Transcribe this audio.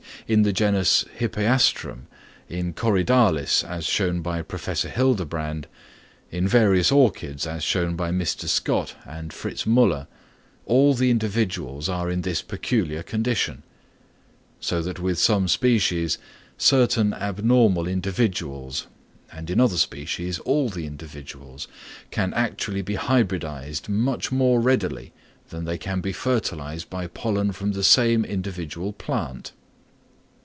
In the genus Hippeastrum, in Corydalis as shown by Professor Hildebrand, in various orchids as shown by Mr. Scott and Fritz Müller, all the individuals are in this peculiar condition. So that with some species, certain abnormal individuals, and in other species all the individuals, can actually be hybridised much more readily than they can be fertilised by pollen from the same individual plant!